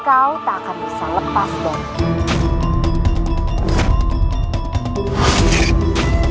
kau tak akan bisa lepas dari kita